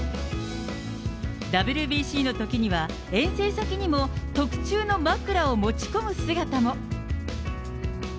ＷＢＣのときには、遠征先にも特注の枕を持ち込む姿も。